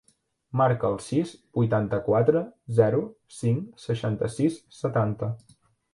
Marca el sis, vuitanta-quatre, zero, cinc, seixanta-sis, setanta.